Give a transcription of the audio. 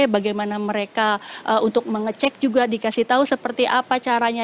bagaimana mereka untuk mengecek juga dikasih tahu seperti apa caranya